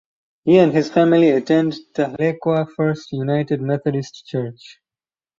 He and his family attend Tahlequah First United Methodist Church.